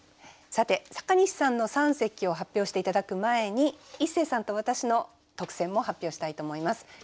さて阪西さんの三席を発表して頂く前にイッセーさんと私の特選も発表したいと思います。